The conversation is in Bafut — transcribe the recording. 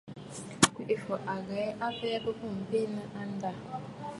Kwèʼefɔ̀ à ghɛ̀ɛ a abɛɛ bɨ̀bùʼù benə̀ a ndâ.